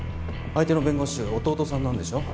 相手の弁護士弟さんなんでしょ？